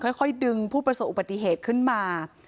ค่อยดึงผู้ประสบอุบัติเหตุขึ้นมา